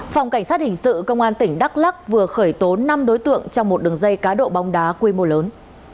phòng cảnh sát hình sự công an tỉnh đắk lắc vừa khởi tố năm đối tượng trong một đường dây cá độ bóng đá quy mô lớn